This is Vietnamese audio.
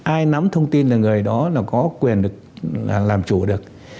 ai nắm thông tin là người đó là có quyền được làm chủ được